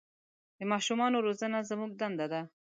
د ماشومان روزنه زموږ دنده ده.